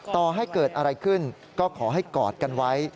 ต่อให้เกิดอะไรขึ้นก็ขอให้กอดกันไว้